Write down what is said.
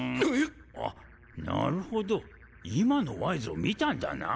あっなるほど今のワイズを見たんだな？